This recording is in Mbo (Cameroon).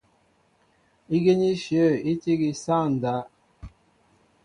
Ígínɛ́ íshyə̂ í tí ígí sááŋ ndáp.